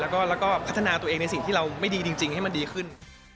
แล้วก็พัฒนาตัวเองในสิ่งที่เราไม่ดีจริงให้มันดีขึ้น